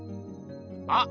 あっ！